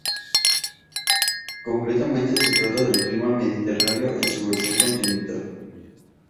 Concretamente se trata de clima mediterráneo en su versión continental.